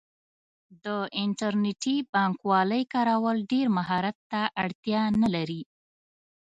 د انټرنیټي بانکوالۍ کارول ډیر مهارت ته اړتیا نه لري.